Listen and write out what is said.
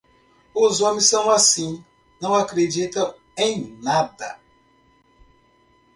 Os homens são assim; não acreditam em nada.